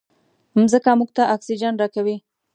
مځکه موږ ته اکسیجن راکوي.